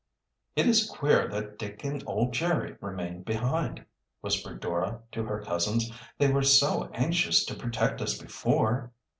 "It is queer that Dick and old Jerry remained behind," whispered Dora to her cousins. "They were so anxious to protect us before."